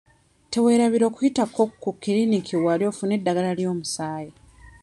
Teweerabira okuyitako ku kiriniki wali ofune eddagala ly'omusaayi.